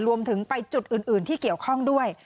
รวมถึงไปจุดอื่นที่เกี่ยวข้องด้วย